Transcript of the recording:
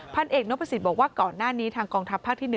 พันธุ์เอกนกภาษีบอกว่าก่อนหน้านี้ทางกองทัพภาคที่๑